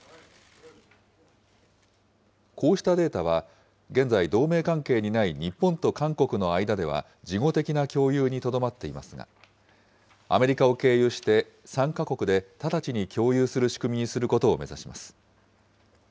こうしたデータは、現在、同盟関係にない日本と韓国の間では事後的な共有にとどまっていますが、アメリカを経由して３か国で直ちに共有する仕組みにすることを目指します。